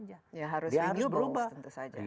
dia harus berubah dia harus berubah